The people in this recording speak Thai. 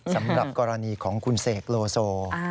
สำหรับกรณีของคุณเสกโลโซ